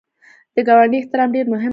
د ګاونډي احترام ډېر مهم دی